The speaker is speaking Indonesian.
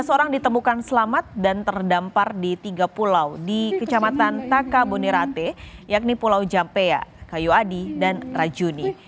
tiga belas orang ditemukan selamat dan terdampar di tiga pulau di kecamatan taka bonerate yakni pulau jampea kayu adi dan rajuni